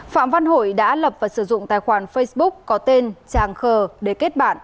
phạm văn hội đã lập và sử dụng tài khoản facebook có tên tràng khờ để kết bạn